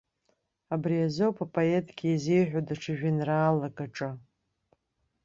Абриазоуп апоетгьы изиҳәо даҽа жәеинраалак аҿы.